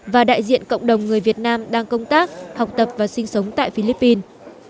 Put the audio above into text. và đại diện cộng đồng người việt nam đang công tác học tập và sinh sống tại philippines